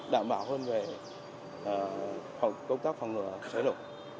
đảm bảo hơn về công tác phòng ngừa xảy ra